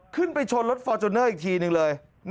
ขึ้นไปชนรถฟอร์จูเนอร์อีกทีนึงเลย